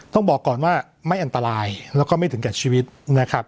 ต้องบอกก่อนว่าไม่อันตรายแล้วก็ไม่ถึงแก่ชีวิตนะครับ